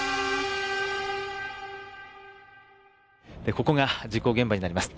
ここが事故現場になります